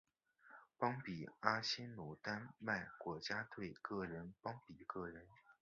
邦比阿仙奴丹麦国家队个人邦比个人